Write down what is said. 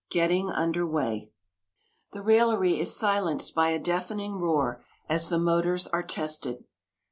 GETTING UNDER WAY The raillery is silenced by a deafening roar as the motors are tested.